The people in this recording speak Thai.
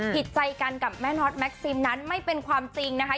ผิดใจกันกับแม่น็อตแม็กซิมนั้นไม่เป็นความจริงนะคะ